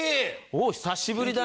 おう久しぶりだな。